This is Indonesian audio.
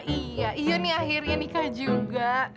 iya iya nih akhirnya nikah juga